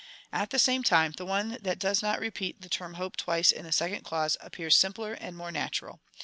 At the same time, the one that does not repeat the term hope twice in the second clause appears simpler, and more natural.